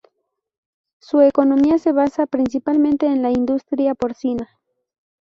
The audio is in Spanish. Su economía se basa principalmente en la industria porcina.